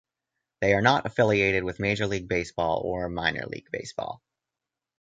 They are not affiliated with Major League Baseball or Minor League Baseball.